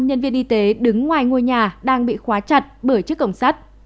nhân viên y tế đứng ngoài ngôi nhà đang bị khóa chặt bởi chiếc cổng sắt